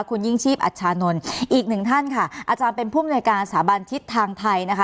คุณยิ่งชีพอัชชานนท์อีกหนึ่งท่านค่ะอาจารย์เป็นผู้มนวยการสถาบันทิศทางไทยนะคะ